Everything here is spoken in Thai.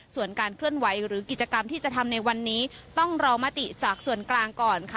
ส่วนการเคลื่อนไหวหรือกิจกรรมที่จะทำในวันนี้ต้องรอมติจากส่วนกลางก่อนค่ะ